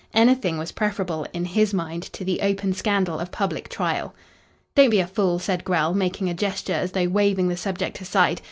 Anything was preferable, in his mind, to the open scandal of public trial. "Don't be a fool," said Grell, making a gesture as though waving the subject aside.